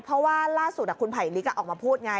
เพราะว่าล่าสุดคุณไผลลิกออกมาพูดไง